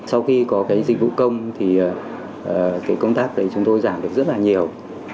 sau khi có cái dịch vụ công thì cái công tác đấy chúng tôi giảm được rất là nhiều